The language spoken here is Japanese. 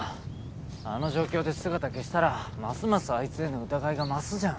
あの状況で姿消したらますますあいつへの疑いが増すじゃん。